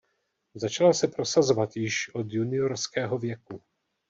Začala se prosazovat již od juniorského věku.